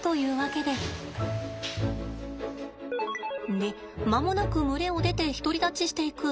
で間もなく群れを出て独り立ちしていく。